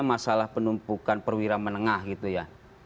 masalah penumpukan perwira menengah gitu ya